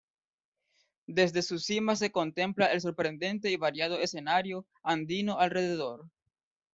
Desde su cima se contempla el sorprendente y variado escenario andino alrededor.